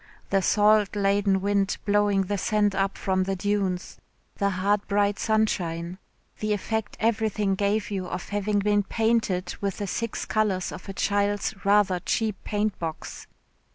The salt laden wind blowing the sand up from the dunes, the hard bright sunshine, the effect everything gave you of having been painted with the six colours of a child's rather cheap paint box.